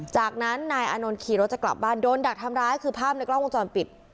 จากนั้นนายอานนท์ขี่รถจะกลับบ้านโดนดักทำร้ายคือภาพในกล้องวงจรปิด